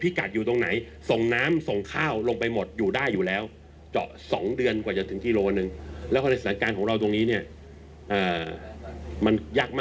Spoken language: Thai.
เป้าหมายอยู่ตรงไหน